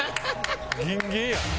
ギンギンやん。